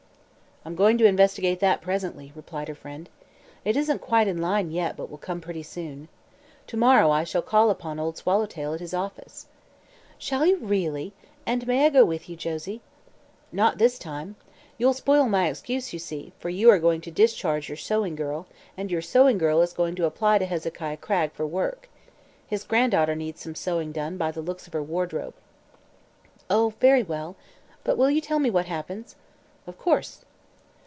"I'm going to investigate that presently," replied her friend. "It isn't quite in line yet but will come pretty soon. To morrow I shall call upon Old Swallowtail at his office." "Shall you, really? And may I go with, you, Josie?" "Not this time. You'd spoil my excuse, you see, for you are going to discharge your sewing girl, and your sewing girl is going to apply to Hezekiah Cragg for work. His granddaughter needs some sewing done, by the looks of her wardrobe." "Oh. Very well. But you will tell me what happens?" "Of course."